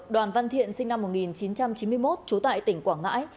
đoàn văn thiện sinh năm một nghìn chín trăm chín mươi một trú tại tỉnh quảng ngãi